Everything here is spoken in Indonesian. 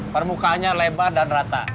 permukanya lebar dan rata